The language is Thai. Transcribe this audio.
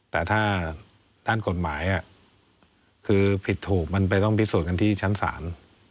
แต่ถ้าด้านกฎหมายคือผิดถูกมันไปต้องพิสูจน์กันที่ชั้นศาล